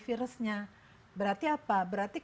virusnya berarti apa berarti